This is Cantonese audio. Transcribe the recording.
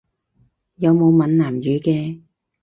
有冇閩南語嘅？